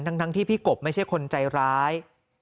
ทั้งที่พี่กบไม่ใช่คนใจร้าย